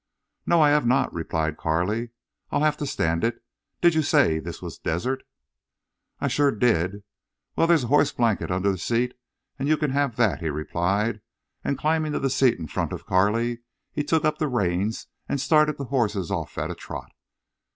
"No, I have not," replied Carley. "I'll have to stand it. Did you say this was desert?" "I shore did. Wal, there's a hoss blanket under the seat, an' you can have that," he replied, and, climbing to the seat in front of Carley, he took up the reins and started the horses off at a trot.